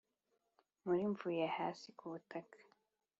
muri m vuye hasi kubutaka